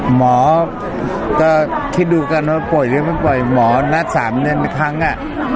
หมอก็คิดดูกันว่าป่วยหรือไม่ปล่อยหมอนัด๓เดือนครั้งอ่ะ